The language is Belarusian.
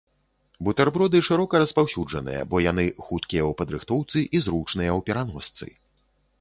Бутэрброды шырока распаўсюджаныя, бо яны хуткія ў падрыхтоўцы і зручныя ў пераносцы.